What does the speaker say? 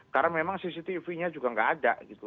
karena memang cctv nya juga nggak ada gitu